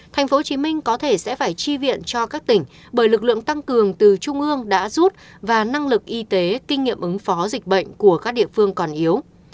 tp hcm có thể sẽ phải chi viện cho các tỉnh bởi lực lượng tăng cường từ trung ương đã rút và năng lực y tế kinh nghiệm ứng phó dịch bệnh của các địa phương còn yếu